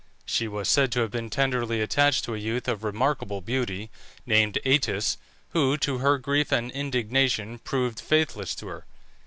She was said to have been tenderly attached to a youth of remarkable beauty, named Atys, who, to her grief and indignation, proved faithless to her.